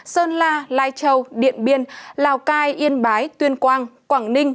sơn la lai châu điện biên lào cai yên bái tuyên quang quảng ninh